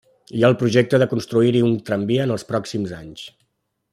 Hi ha el projecte de construir-hi un tramvia en els pròxims anys.